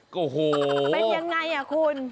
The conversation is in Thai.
เป็นยังไงอ่ะคุณ